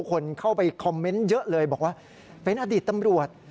คนเข้าไปคอมเมนต์เยอะเลยบอกว่าเป็นอดีตตำรวจ